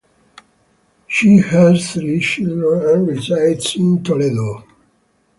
She has three children and resides in Toledo.